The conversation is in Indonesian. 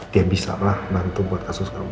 dia bisa lah bantu buat kasus kamu